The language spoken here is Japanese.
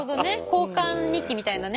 交換日記みたいなね。